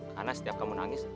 karena setiap kamu nangis